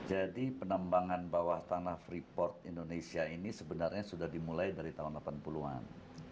jadi penambangan bawah tanah freeport indonesia ini sebenarnya sudah dimulai dari tahun delapan puluh an